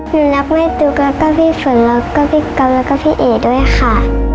หนูรักแม่ตุ๊กแล้วก็พี่ฝนแล้วก็พี่ก๊อฟแล้วก็พี่เอ๋ด้วยค่ะ